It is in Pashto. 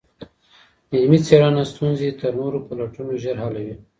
علمي څېړنه ستونزي تر نورو پلټنو ژر حلوي.